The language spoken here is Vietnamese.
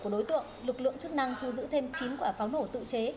của đối tượng lực lượng chức năng thu giữ thêm chín quả pháo nổ tự chế